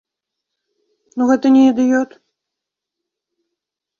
Ну гэта не ідыёт?